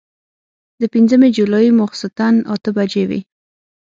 د پنځمې جولايې ماسخوتن اتۀ بجې وې